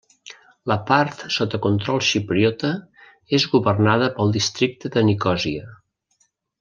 La part sota control xipriota és governada pel districte de Nicòsia.